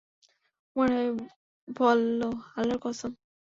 উমাইর বলল, আল্লাহর কসম!